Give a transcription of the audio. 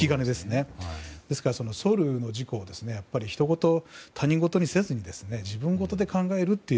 ですからソウルの事故を他人事にせずに自分事で考えると。